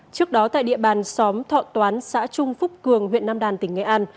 trước đó tại địa bàn xóm thọ toán xã trung phúc cường huyện nam đàn tỉnh nghệ an